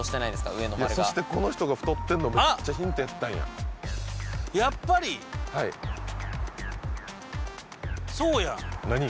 上の丸がそしてこの人が太ってんのめっちゃヒントやったんやはいそうや何？